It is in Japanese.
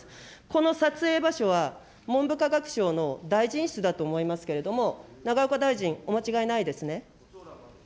この撮影場所は、文部科学省の大臣室だと思いますけれども、永岡大臣、お間違いないですね。